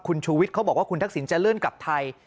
คุณชูวิทย์เขาบอกว่าคุณทักษิณจะเลื่อนกลับไทย